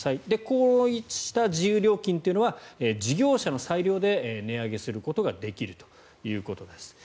こうした自由料金というのは事業者の裁量で値上げすることができるということです。